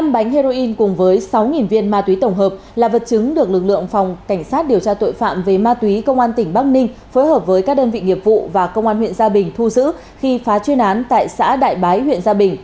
một mươi bánh heroin cùng với sáu viên ma túy tổng hợp là vật chứng được lực lượng phòng cảnh sát điều tra tội phạm về ma túy công an tỉnh bắc ninh phối hợp với các đơn vị nghiệp vụ và công an huyện gia bình thu giữ khi phá chuyên án tại xã đại bái huyện gia bình